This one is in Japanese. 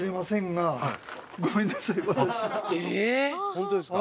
ホントですか？